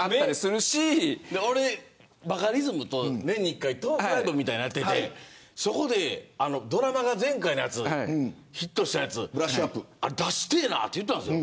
俺、バカリズムと年に１回トークライブやっててそこでドラマが前回ヒットしたやつ出してえなと言ったんです。